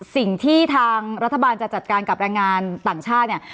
สิ่งที่ทางรัฐบาลจะจัดการกับแรงงานต่างชาติเนี่ย